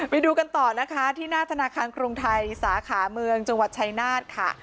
ไปดูกันต่อนะคะที่หน้าธนาคารกรุงไทยสาขาเมืองจังหวัดชายนาฏค่ะ